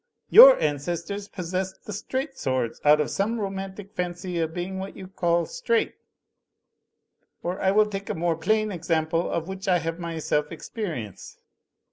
Your ancestors possessed the straight swords out of some romantic fancy of being what you call straight; or, I will take a more plain ex ample, of which I have myself experience.